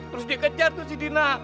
terus dikejar tuh si dina